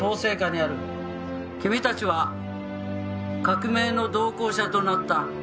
「君たちは革命の同行者となった」